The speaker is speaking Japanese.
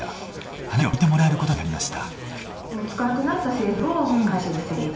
話を聞いてもらえることになりました。